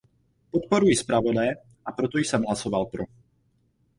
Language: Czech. Podporuji zpravodaje, a proto jsem hlasoval pro.